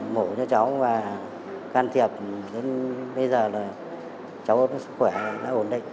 mổ cho cháu và can thiệp đến bây giờ là cháu sức khỏe đã ổn định